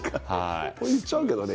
俺は行っちゃうけどね。